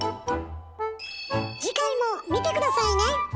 次回も見て下さいね！